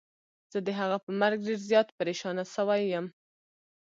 زه د هغه په مرګ ډير زيات پريشانه سوی يم.